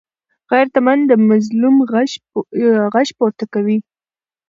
غیرتمند د مظلوم غږ پورته کوي